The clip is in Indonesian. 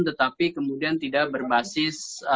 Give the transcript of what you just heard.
tetapi kemudian tidak berbasis